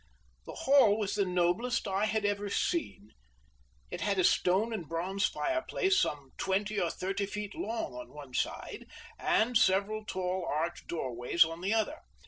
The hall was the noblest I had ever seen; it had a stone and bronze fireplace some twenty or thirty feet long on one side, and several tall arched doorways on the other.